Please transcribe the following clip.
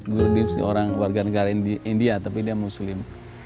gur dip sih orang warga negara india tapi dia muslim